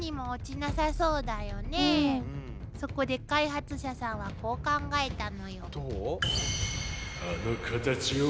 そこで開発者さんはこう考えたのよ。